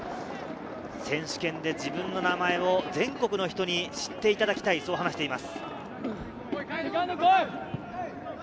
選手権で自分の名前を全国の人に知っていただきたいと話しています。